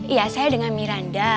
iya saya dengan miranda